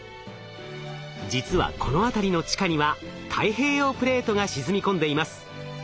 実はこの辺りの地下には太平洋プレートが沈み込んでいます。